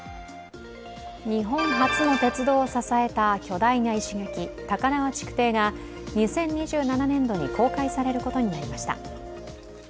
日本初の鉄道を支えた巨大な石垣、高輪築堤が２０２７年度に公開されることになりました。